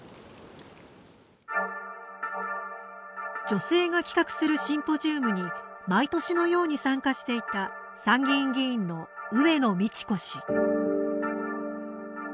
女性が企画するシンポジウムに毎年のように参加していた参議院議員の上野通子氏。